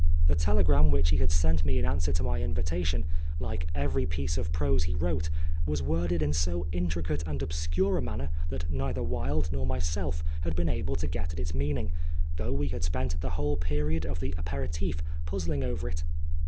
The telegram which he had sent me in answer to my invitation, like every piece of prose he wrote, was worded in so intricate and obscure a manner that neither Wilde nor myself had been able to get at its meaning, though we had spent the whole period of the aperitif puzzling over it.